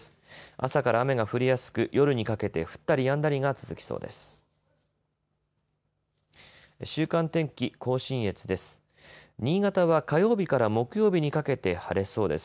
朝から雨が降りやすく夜にかけて降ったりやんだりが続きそうです。